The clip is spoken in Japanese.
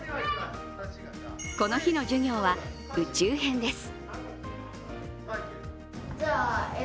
この日の授業は、宇宙編です。